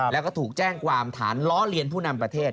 แล้วก็ถูกแจ้งความฐานล้อเลียนผู้นำประเทศ